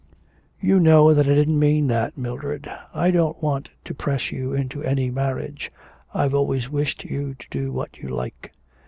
'You know that I didn't mean that, Mildred. I don't want to press you into any marriage. I've always wished you to do what you like.'